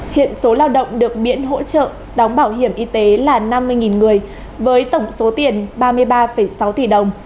hiện số lao động được miễn hỗ trợ đóng bảo hiểm y tế là năm mươi người với tổng số tiền ba mươi ba sáu tỷ đồng